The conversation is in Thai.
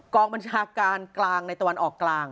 กองบัญชาการกลางในตะวันออกกลาง